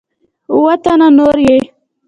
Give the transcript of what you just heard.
اووه تنه نور یې